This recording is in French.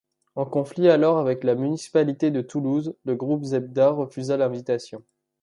En conflit alors avec la municipalité de Toulouse, le groupe Zebda refusa l'invitation.